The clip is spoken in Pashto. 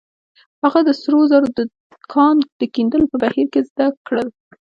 هغه د سرو زرو د کان د کیندلو په بهير کې زده کړل.